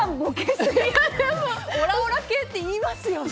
オラオラ系って言いますよね。